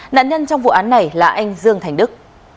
nạn nhân trong vụ án này là anh dương thành đức